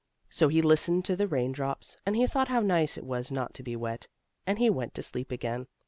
So he listened to the rain drops, and he thought how nice it was not to be wet, and he went to sleep again.